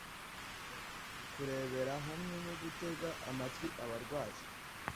Kurebera hamwe no gutega amatwi abarwayi